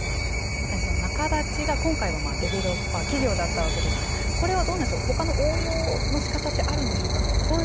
まさにその仲立ちが今回はまあデベロッパー企業だったわけですけどこれはどうなんでしょうほかの応用のしかたってあるんでしょうか齊藤さん。